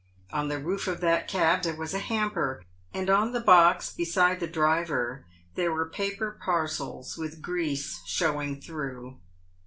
On the roof of that cab there was a hamper, and on the box beside the driver there were paper parcels with grease showing through.